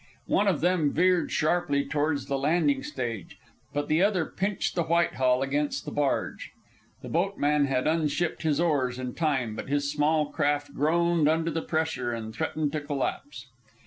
One of them veered sharply towards the landing stage, but the other pinched the Whitehall against the barge. The boatman had unshipped his oars in time, but his small craft groaned under the pressure and threatened to collapse.